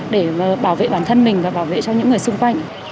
để bảo vệ bản thân mình và bảo vệ cho những người xung quanh